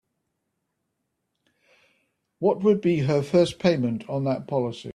What would be her first payment on that policy?